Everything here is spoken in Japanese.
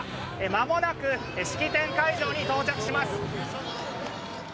まもなく式典会場に到着します。